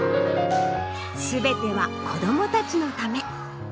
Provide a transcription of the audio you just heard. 全ては子どもたちのため。